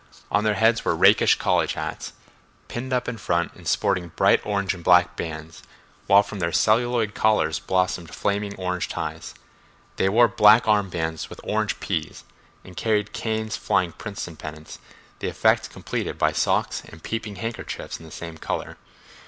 On their heads were rakish college hats, pinned up in front and sporting bright orange and black bands, while from their celluloid collars blossomed flaming orange ties. They wore black arm bands with orange "P's," and carried canes flying Princeton pennants, the effect completed by socks and peeping handkerchiefs in the same color motifs.